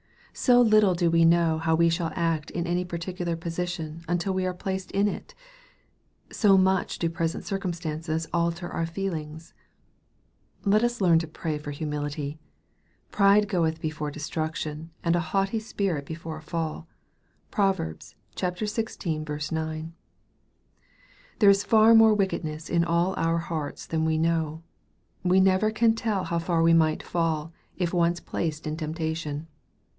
So little do we know how we shall act in any particular position until we are placed in it ! So much do present circumstances alter our feelings ! Let us learn to pray for humility. " Pride goeth before destruction, and a haughty spirit before a fall." (Prov. xvi. 19.) There is far more wickedness in all our hearts than we know. We never can tell how far we might fall, if once placed in temptation.